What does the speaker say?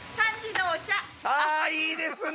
あいいですね